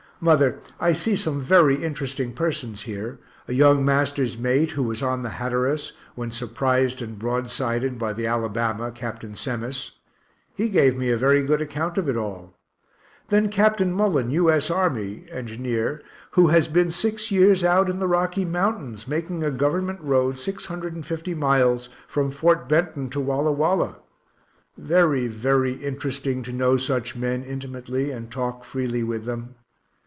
Mother, I see some very interesting persons here a young master's mate, who was on the Hatteras, when surprised and broadsided by the Alabama, Capt Semmes he gave me a very good acc't of it all then Capt. Mullen, U. S. Army, (engineer) who has been six years out in the Rocky mts. making a Gov't road 650 miles from Ft. Benton to Walla Walla very, very interesting to know such men intimately, and talk freely with them.